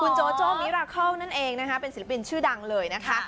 โจโจ้มิราคอลนั่นเองนะคะเป็นศิลปินชื่อดังเลยนะคะ